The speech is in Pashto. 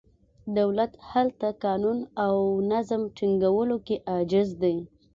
دولت هلته قانون او نظم ټینګولو کې عاجز دی.